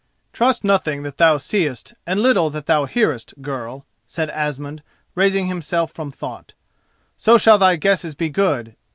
"Trust nothing that thou seest and little that thou hearest, girl," said Asmund, raising himself from thought: "so shall thy guesses be good.